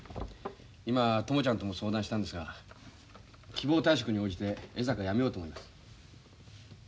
今朋ちゃんとも相談したんですが希望退職に応じて江坂辞めようと思います。